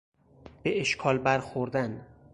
به اشکال برخوردن